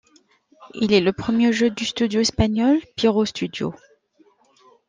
Il est le premier jeu du studio espagnol Pyro Studios.